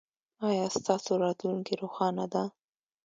ایا ستاسو راتلونکې روښانه ده؟